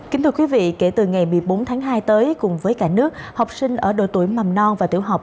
kính thưa quý vị kể từ ngày một mươi bốn tháng hai tới cùng với cả nước học sinh ở độ tuổi mầm non và tiểu học